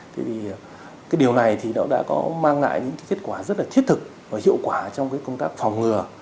thế thì cái điều này thì nó đã có mang lại những kết quả rất là thiết thực và hiệu quả trong cái công tác phòng ngừa